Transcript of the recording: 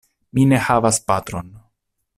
Mi ne havas patron.